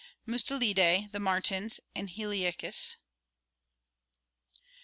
. Mustelidae: the martens, and Helictis.